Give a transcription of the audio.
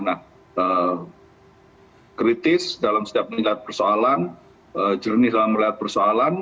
nah kritis dalam setiap melihat persoalan jernih dalam melihat persoalan